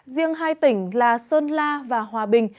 riêng hai tỉnh là sơn la và hòa bình